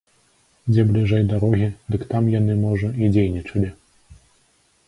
Дзе бліжэй дарогі, дык там яны, можа, і дзейнічалі.